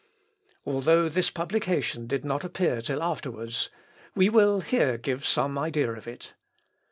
Although this publication did not appear till afterwards, we will here give some idea of it.